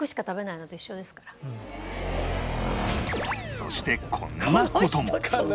そしてこんな事も